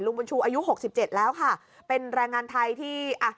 ลุงบุญชูอายุ๖๗แล้วค่ะเป็นแรงงานไทยที่อะ